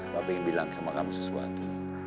bapak ingin bilang sama kamu sesuatu